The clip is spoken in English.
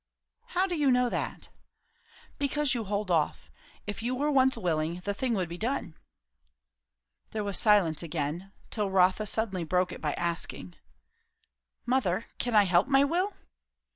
"How do you know that?" "Because you hold off. If you were once willing, the thing would be done." There was silence again; till Rotha suddenly broke it by asking, "Mother, can I help my will?"